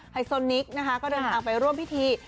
ไฮโซนิกนะคะก็เดินทางไปร่วมพิธี